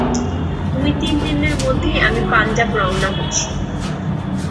দু-তিন দিনের মধ্যেই আমি পাঞ্জাব রওনা হচ্ছি।